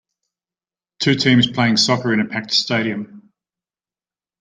Two teams playing soccer in a packed stadium.